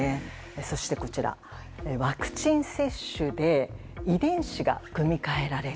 そして、ワクチン接種で遺伝子が組み替えられる。